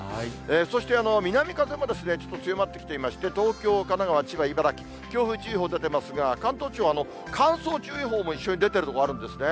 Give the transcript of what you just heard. そして、南風もちょっと強まってきまして、東京、神奈川、千葉、茨城、強風注意報出てますが、関東地方、乾燥注意報も一緒に出ている所あるんですね。